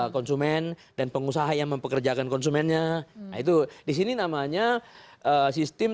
konsumen dan pengusaha yang mempekerjakan konsumennya ya nah itu di sini namanya sistem